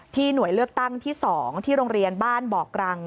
หน่วยเลือกตั้งที่๒ที่โรงเรียนบ้านบ่อกรัง